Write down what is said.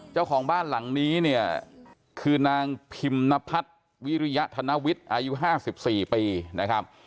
เจ้าของบ้านหลังนี้เนี่ยคือนางพิมนพัฒน์วิริยธนวิทย์อายุ๕๔ปีนะครับ